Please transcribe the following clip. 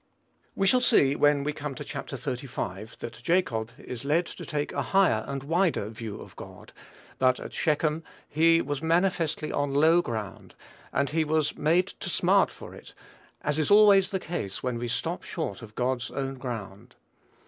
We shall see, when we come to Chap. xxxv. that Jacob is led to take a higher and a wider view of God; but at Shechem he was manifestly on low ground, and he was made to smart for it, as is always the case when we stop short of God's own ground.